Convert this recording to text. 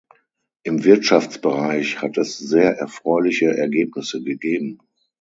Im Wirtschaftsbereich hat es sehr erfreuliche Ergebnisse gegeben.